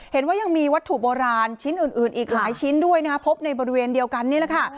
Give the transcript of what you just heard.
เห็นว่ายังมีวัตถุโบราณชิ้นอื่นอีกหลายชิ้นด้วยนะครับพบในบริเวณเดียวกันนี่แหละค่ะ